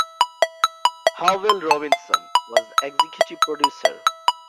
Hubbell Robinson was the executive producer.